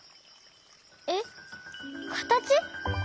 えっかたち？